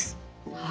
はい。